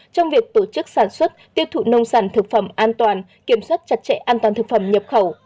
trong việc tổ chức sản xuất tiêu thụ nông sản thực phẩm an toàn kiểm soát chặt chẽ an toàn thực phẩm nhập khẩu